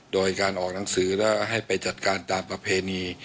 โดยการออกหนังสือและให้ไปจัดการตามประเพณี